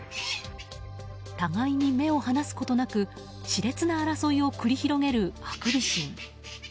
たがいに目を離すことなく熾烈な争いを繰り広げるハクビシン。